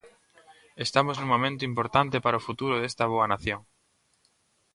Estamos nun momento importante para o futuro desta boa nación.